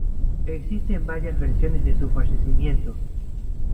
Existen varias versiones de su fallecimiento.